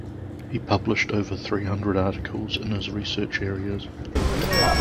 He published over three hundred articles in his research areas.